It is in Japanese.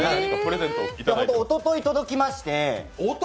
あと、おととい届きまして。